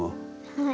はい。